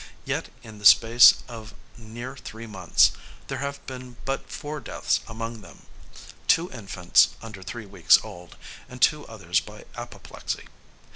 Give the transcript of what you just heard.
Yet, in the space of near three months, there have been but four deaths among them; two infants under three weeks old, and two others by apoplexy.